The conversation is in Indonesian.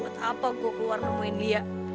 buat apa gue keluar nemuin dia